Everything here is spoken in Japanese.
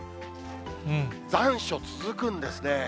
残暑続くんですね。